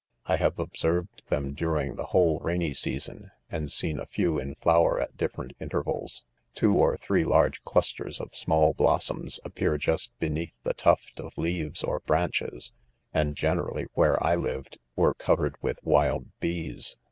I have obser ved them during the whole rainy season, and seen a few in flower at different intervals. ^Two or three large clus ters of small blossoms appear just beneath the tuft of leaves or branches, and generally, where I lived, were covered with wild bees.